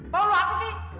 mau lu apa sih